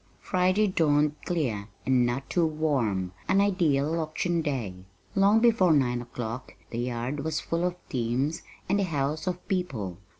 Friday dawned clear, and not too warm an ideal auction day. Long before nine o'clock the yard was full of teams and the house of people.